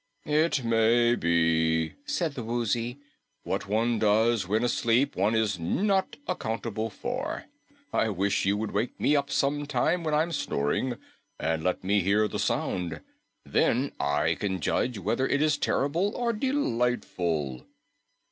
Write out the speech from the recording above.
"It may be," said the Woozy. "What one does when asleep one is not accountable for. I wish you would wake me up sometime when I'm snoring and let me hear the sound. Then I can judge whether it is terrible or delightful."